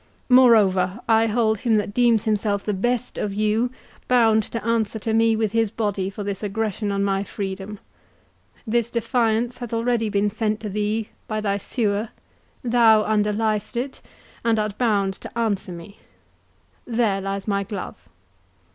Moreover, I hold him that deems himself the best of you, bound to answer to me with his body for this aggression on my freedom. This defiance hath already been sent to thee by thy sewer; thou underliest it, and art bound to answer me—There lies my glove."